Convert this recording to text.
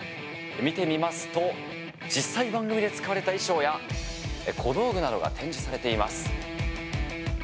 見てみますと実際に番組で使われた衣装や小道具などが展示されています。